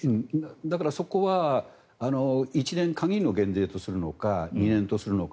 そこは１年限りの減税とするのか２年とするのか。